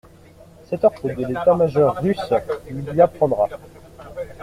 Cet ordre de l'état-major russe le lui apprendra.